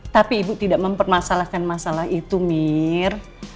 tapi ibu tidak mempermasalahkan masalah itu mir